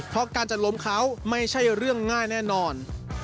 เพราะการจะล้มเขาไม่ใช่เรื่องง่ายแน่นอน